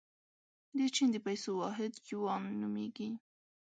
د چین د پیسو واحد یوان نومیږي.